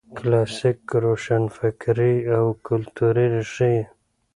کلاسیک روشنفکر او کلتوري ريښې یې